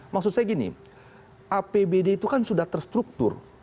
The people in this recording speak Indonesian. maksud saya gini apbd itu kan sudah terstruktur